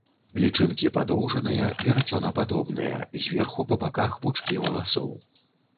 Лічынкі падоўжаныя, верацёнападобныя, зверху па баках пучкі валаскоў.